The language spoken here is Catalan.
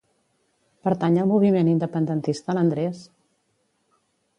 Pertany al moviment independentista l'Andrés?